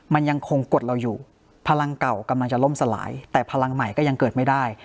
มันยังคงกดเราอยู่พลังเก่ากำลังจะล่มสลายแต่พลังใหม่ก็ยังเกิดไม่ได้